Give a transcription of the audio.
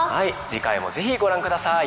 次回もぜひご覧ください。